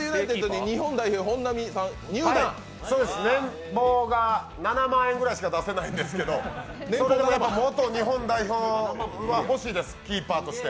年俸が７万円くらいしか出せないんですけど元日本代表が欲しいですキーパーとして。